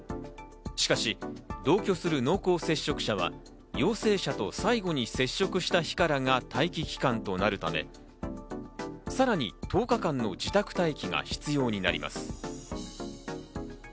しかし同居する濃厚接触者は陽性者と最後に接触した日からが待機期間となるため、さらに１０日間の自宅待機が必要になります。